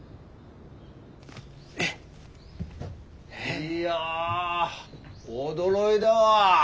いや驚いだわ。